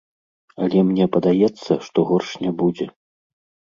Але мне падаецца, што горш не будзе.